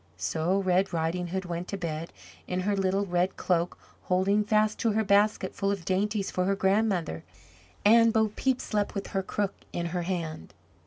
So Red Riding hood went to bed in her little red cloak holding fast to her basket full of dainties for her grandmother, and Bo Peep slept with her crook in her hand.